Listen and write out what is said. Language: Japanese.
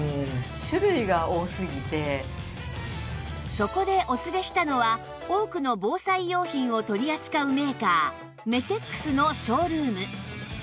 そこでお連れしたのは多くの防災用品を取り扱うメーカーメテックスのショールーム